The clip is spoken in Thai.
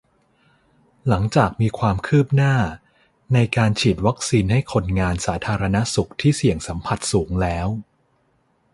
หลังจากมีความคืบหน้า ในการฉีดวัคซีนให้คนงานสาธารณสุขที่เสี่ยงสัมผัสสูงแล้ว